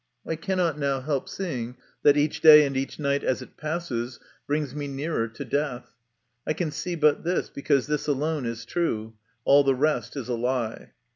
I cannot now help seeing that each day and each night, as it passes, brings me nearer to death. I can see but this, because this alone is true all the rest is a lie.